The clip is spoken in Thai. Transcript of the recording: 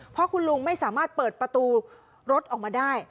เพราะคุณลุงไม่สามารถเปิดประตูรถออกมาได้